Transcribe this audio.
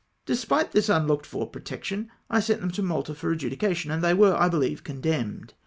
Despite this unlooked for protection, I sent them to Malta for adjudication, and they were, I beheve, con demned.